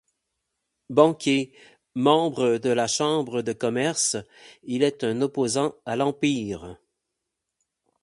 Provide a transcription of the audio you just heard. Banquier, membre de la chambre de commerce, il est un opposant à l'Empire.